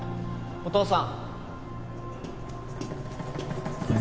お父さん。